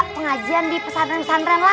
pengajian di pesanren pesanren lain